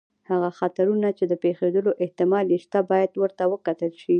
هغه خطرونه چې د پېښېدلو احتمال یې شته، باید ورته وکتل شي.